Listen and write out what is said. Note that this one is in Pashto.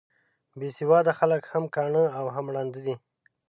بې سواده خلک هم کاڼه او هم ړانده دي.